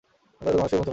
তারা তো মানুষের মতো নয়।